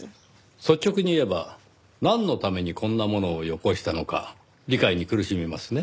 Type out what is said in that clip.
率直に言えばなんのためにこんなものをよこしたのか理解に苦しみますね。